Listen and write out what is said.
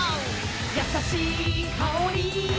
「やさしいかおり」「」